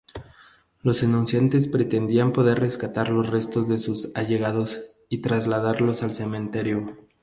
Los denunciantes pretendían poder rescatar los restos de sus allegados y trasladarlos al cementerio.